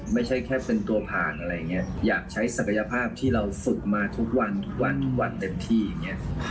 ไม่ใช่แค่เป็นตัวผ่านอะไรอย่างนี้อยากใช้ศักยภาพที่เราฝึกมาทุกวันทุกวันทุกวันเต็มที่อย่างเงี้ย